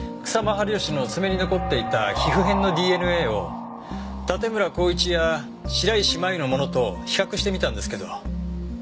治義の爪に残っていた皮膚片のＤＮＡを盾村孝一や白石麻由のものと比較してみたんですけど。